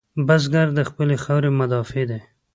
بزګر د خپلې خاورې مدافع دی